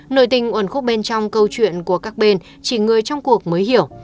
nội tình uẩn khúc bên trong câu chuyện của các bên chỉ người trong cuộc mới hiểu